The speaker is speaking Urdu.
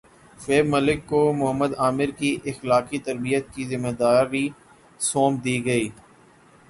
شعیب ملک کو محمد عامر کی اخلاقی تربیت کی ذمہ داری سونپ دی گئی